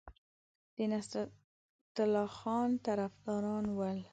د نصرالله خان طرفداران ول.